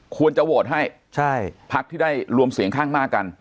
ควรจะโหวตให้พักที่ได้รวมเสียงข้างมากกัน